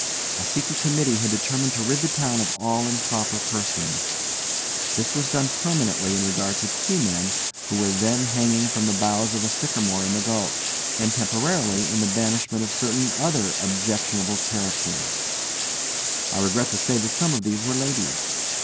A secret committee had determined to rid the town of all improper persons. This was done permanently in regard of two men who were then hanging from the boughs of a sycamore in the gulch, and temporarily in the banishment of certain other objectionable characters. I regret to say that some of these were ladies.